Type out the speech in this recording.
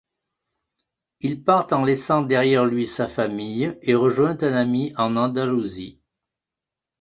Il part en laissant derrière lui sa famille, et rejoint un ami en Andalousie.